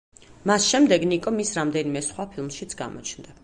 მას შემდეგ ნიკო მის რამდენიმე სხვა ფილმშიც გამოჩნდა.